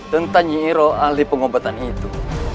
tentang yiro ahli pengobatan itu